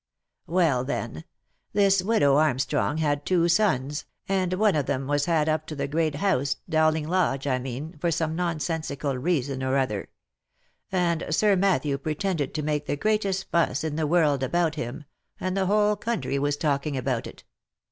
" Well then, this widow Armstrong had two sons, and one of them was had up to the great house, Dowling Lodge, I mean, for some non sensical reason or other; and Sir Matthew pretended to make the greatest fuss in the world about him, and the whole country was talk ing about it.